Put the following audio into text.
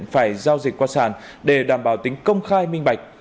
phải giao dịch qua sản để đảm bảo tính công khai minh bạch